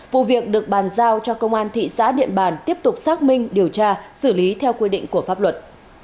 vụ việc được bàn giao cho công an thị xã điện bàn tiếp tục xác minh điều tra xử lý theo quy định của pháp luật